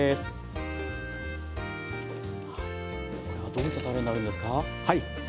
これはどういったたれになるんですか？